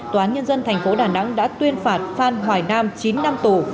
tòa nhân dân thành phố đà nẵng đã tuyên phạt phan hoài nam chín năm tù